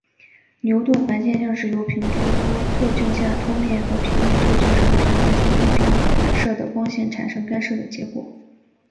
牛顿环现象是由平凸透镜下凸面和平面透镜的上平面所分别反射的光线产生干涉的结果。